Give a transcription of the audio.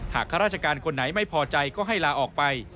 ข้าราชการคนไหนไม่พอใจก็ให้ลาออกไป